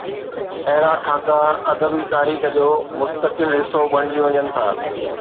اهڙا خاڪا ادبي تاريخ جو مستقل حصو بڻجي وڃن ٿا.